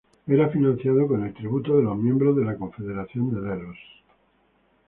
Era financiado con el tributo de los miembros de la Confederación de Delos.